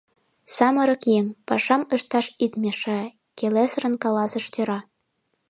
— Самырык еҥ, пашам ышташ ит мешае! — келесырын каласыш тӧра.